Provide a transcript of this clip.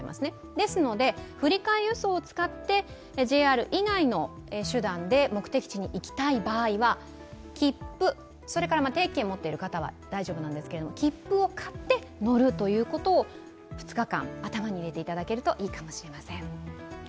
ですので振替輸送を使ってＪＲ以外の手段で目的地に行きたい場合は、定期券を持っている方は大丈夫ですが切符を買って乗るということを２日間、頭に入れていただけるといいかもしれません。